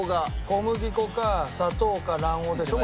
小麦粉か砂糖か卵黄でしょ？